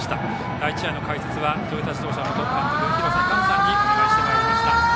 第１試合の解説はトヨタ自動車元監督廣瀬寛さんにお願いしてまいりました。